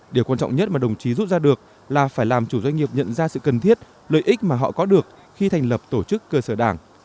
điều quan trọng nhất mà đồng chí rút ra được là phải làm chủ doanh nghiệp nhận ra sự cần thiết lợi ích mà họ có được khi thành lập tổ chức cơ sở đảng